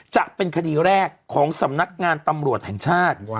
จะเป็นคดีแรกของสำนักงานตำรวจแห่งชาติ